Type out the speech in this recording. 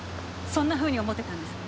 そんなふうに思ってたんですか。